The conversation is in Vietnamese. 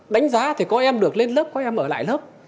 đánh giá thì có em được lên lớp coi em ở lại lớp